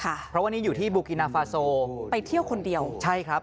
เพราะวันนี้อยู่ที่บูกินาฟาโซไปเที่ยวคนเดียวใช่ครับ